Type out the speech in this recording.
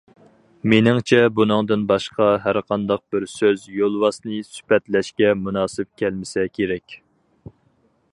مېنىڭچە، بۇنىڭدىن باشقا ھەر قانداق بىر سۆز يولۋاسنى سۈپەتلەشكە مۇناسىپ كەلمىسە كېرەك.